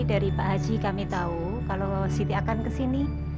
dari pak haji kami tahu kalau siti akan kesini